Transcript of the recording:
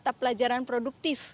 mata pelajaran produktif